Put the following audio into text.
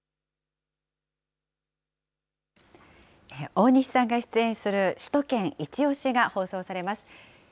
大西さんが出演する首都圏いちオシ！が放送されます。